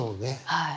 はい。